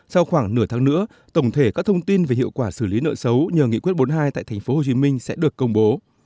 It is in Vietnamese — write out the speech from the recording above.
sau khoảng nửa tháng nữa tổng thể các thông tin về hiệu quả xử lý nợ xấu nhờ nghị quyết bốn mươi hai tại tp hcm sẽ được công bố